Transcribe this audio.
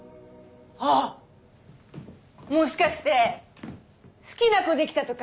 あっもしかして好きな子できたとか？